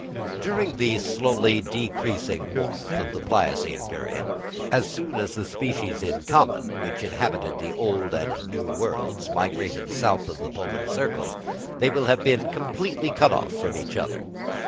During the slowly decreasing warmth of the Pliocene period, as soon as the species in common, which inhabited the New and Old Worlds, migrated south of the Polar Circle, they will have been completely cut off from each other.